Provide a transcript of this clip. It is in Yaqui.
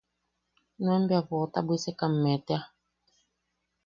Nuen bea boʼota bwisekamme tea.